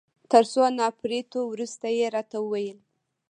تر څو نا پړيتو وروسته يې راته وویل.